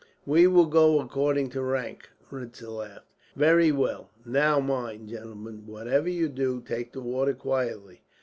"We will go according to rank," Ritzer laughed. "Very well. Now mind, gentlemen, whatever you do, take the water quietly.